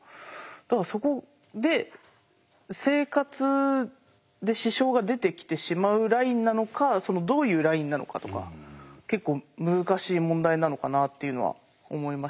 だからそこで生活で支障が出てきてしまうラインなのかそのどういうラインなのかとか結構難しい問題なのかなというのは思いましたね。